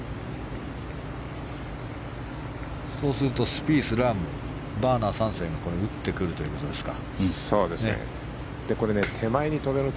そうするとスピース、ラームバーナー３世打ってくるということですか。